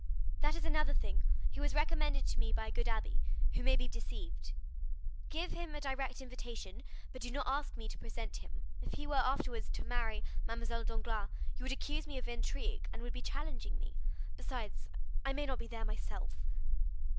"That is another thing: he was recommended to me by a good abbé, who may be deceived. Give him a direct invitation, but do not ask me to present him. If he were afterwards to marry Mademoiselle Danglars, you would accuse me of intrigue, and would be challenging me,—besides, I may not be there myself."